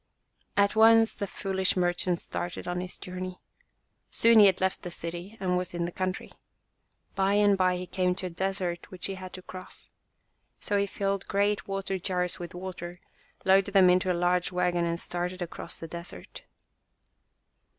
At once the foolish merchant started on his journey. Soon he had left the city and was in the country. By and by he came to a desert which he had to cross. So he filled great water jars with water, loaded them into a large wagon and started across the desert.